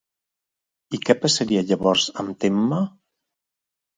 I què passaria llavors amb Temme?